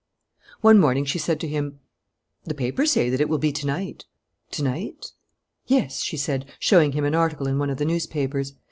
One morning she said to him: "The papers say that it will be to night." "To night?" "Yes," she said, showing him an article in one of the newspapers.